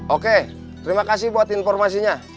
oke terima kasih buat informasinya